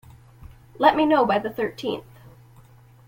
Let me know by the thirteenth.